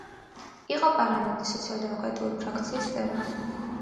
იყო პარლამენტის სოციალ-დემოკრატიული ფრაქციის წევრი.